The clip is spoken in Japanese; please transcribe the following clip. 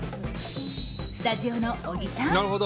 スタジオの小木さん